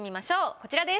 こちらです。